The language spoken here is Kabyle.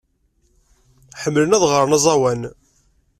Ḥemmlen ad ɣren aẓawan.